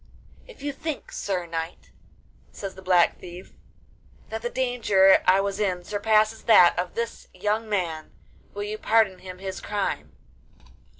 'If you think, sir knight,' says the Black Thief, 'that the danger I was in surpasses that of this young man, will you pardon him his crime?